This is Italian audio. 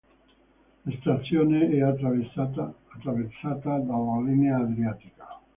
La stazione è attraversata dalla linea adriatica.